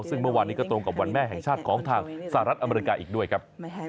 ซึ่งเมื่อวานนี้ก็ตรงกับวันแม่แห่งชาติของทางสหรัฐอเมริกาอีกด้วยครับ